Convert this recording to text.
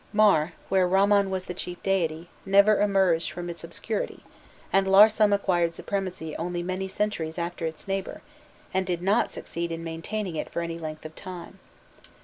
Mar, where Ramman was the chief deity, never emerged from its obscurity, and Larsam acquired supremacy only many centuries after its neighbour, and did not succeed in maintaining it for any length of time.